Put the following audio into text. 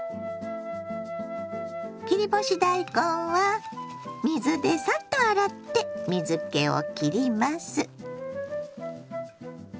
切り干し大根は水でサッと洗って水けをきります。